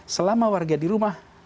selama warga di rumah